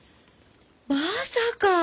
まさか！